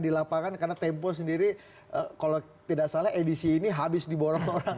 di lapangan karena tempo sendiri kalau tidak salah edisi ini habis diborong orang